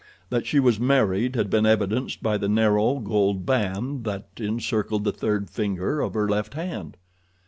That she was married had been evidenced by the narrow gold band that encircled the third finger of her left hand.